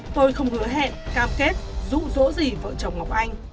tôi không hứa hẹn cam kết rụ rỗ gì vợ chồng ngọc anh